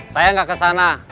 saya gak kesana